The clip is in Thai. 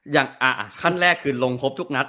อย่างขั้นแรกคือลงครบทุกนัด